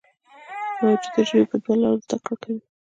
موجوده ژوي په دوو لارو زده کړه کوي.